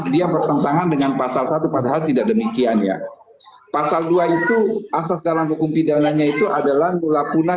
dia bertentangan dengan pasal pasal tidak demikian ya pasal dua itu asas dalam hukum pidananya itu adalah